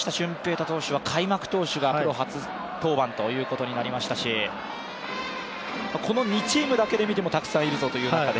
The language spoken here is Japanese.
大投手は開幕投手がプロ初登板ということになりましたし、この２チームだけで見てもたくさんいるぞという中で。